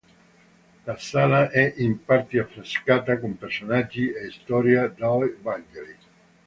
La sala è in parte affrescata con personaggi e storie dei Vangeli.